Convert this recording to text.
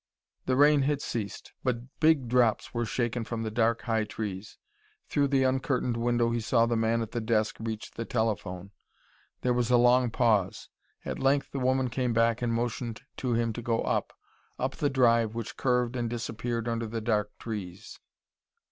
The rain had ceased, but big drops were shaken from the dark, high trees. Through the uncurtained window he saw the man at the desk reach the telephone. There was a long pause. At length the woman came back and motioned to him to go up up the drive which curved and disappeared under the dark trees.